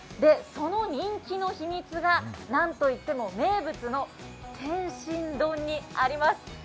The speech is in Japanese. その人気の秘密が何と言っても名物の天津丼にあります。